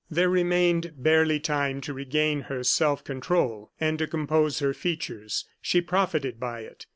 There remained barely time to regain her self control, and to compose her features. She profited by it.